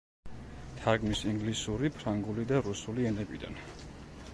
თარგმნის ინგლისური, ფრანგული და რუსული ენებიდან.